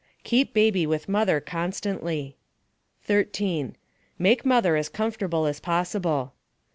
Keep baby with mother constantly. 13. Make mother as comfortable as possible.